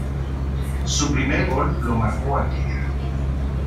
Su primer gol lo marcó al Gral.